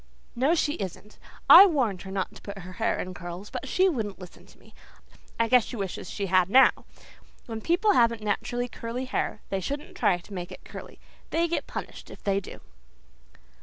"No, she isn't. I warned her not to put her hair in curls but she wouldn't listen to me. I guess she wishes she had now. When people haven't natural curly hair they shouldn't try to make it curly. They get punished if they do."